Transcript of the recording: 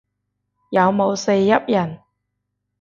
有冇四邑人